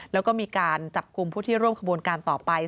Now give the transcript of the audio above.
แล้วก็มีการจับกลุ่มผู้ที่ร่วมขบวนการต่อไป